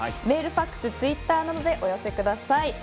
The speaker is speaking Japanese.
メール、ファクスツイッターなどでお寄せください。